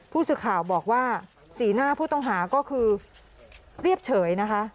ผู้สื่อข่าวบอกว่าสีหน้าผู้ต้องหาก็คือเรียบเฉยนะคะ